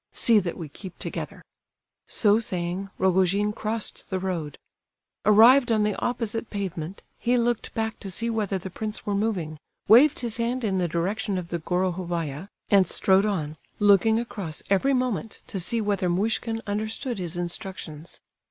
See that we keep together." So saying, Rogojin crossed the road. Arrived on the opposite pavement, he looked back to see whether the prince were moving, waved his hand in the direction of the Gorohovaya, and strode on, looking across every moment to see whether Muishkin understood his instructions.